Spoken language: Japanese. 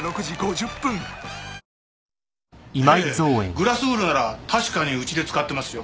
グラスウールなら確かにうちで使ってますよ。